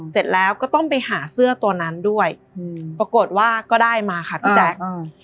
เสร็จแล้วก็ต้องไปหาเสื้อตัวนั้นด้วยอืมปรากฏว่าก็ได้มาค่ะพี่แจ๊คอืม